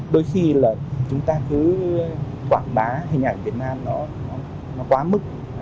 đôi khi là chúng ta cứ quảng bá hình ảnh việt nam nó quá mức